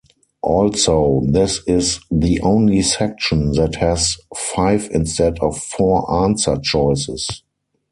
Also, this is the only section that has five instead of four answer choices.